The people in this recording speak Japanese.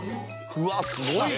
うわっすごいな！